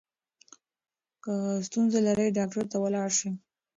که ستونزه لرې ډاکټر ته ولاړ شه.